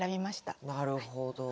なるほど。